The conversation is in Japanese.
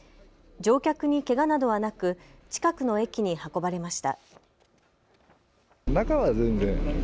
乗客にけがなどはなく近くの駅に運ばれました。